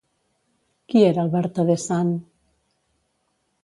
Qui era el vertader sant?